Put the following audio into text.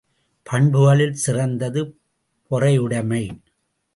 பண்புகளில் சிறந்தது பொறையுடைமை.